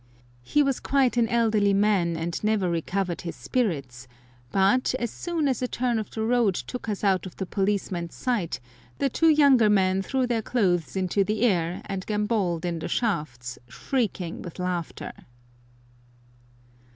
He was quite an elderly man, and never recovered his spirits, but, as soon as a turn of the road took us out of the policeman's sight, the two younger men threw their clothes into the air and gambolled in the shafts, shrieking with laughter!